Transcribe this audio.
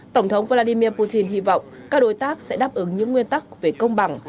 tổng thống vladimir putin hy vọng các đối tác sẽ đáp ứng những nguyên tắc về công bằng